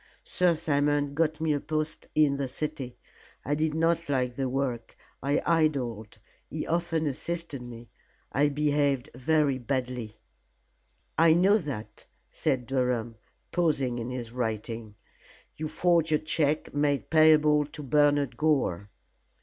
Sir Simon got me a post in the city. I did not like the work, and I idled. He often assisted me. I behaved very badly." "I know that," said Durham, pausing in his writing. "You forged a check made payable to Bernard Gore."